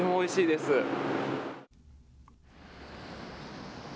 おいしいですか？